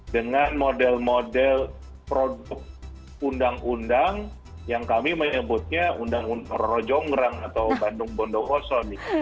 dengan model model produk undang undang yang kami menyebutnya undang undang rojongrang atau bandung bondong oso